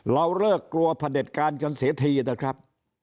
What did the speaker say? เราเลิกกลัวพระเด็จการกันเสียทีนะครับ